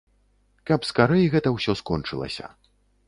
Каб скарэй гэта ўсё скончылася.